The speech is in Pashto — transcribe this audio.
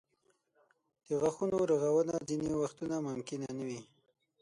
د غاښونو رغونه ځینې وختونه ممکنه نه وي.